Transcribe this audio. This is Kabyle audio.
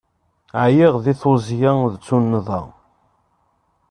Ɛyiɣ di tuzzya d tunnḍa.